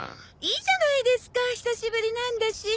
いいじゃないですか久しぶりなんだし。